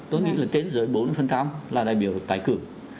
tôi nghĩ là trên dưới bốn là đại biểu tái cử